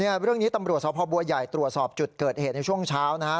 เรื่องนี้ตำรวจสพบัวใหญ่ตรวจสอบจุดเกิดเหตุในช่วงเช้านะฮะ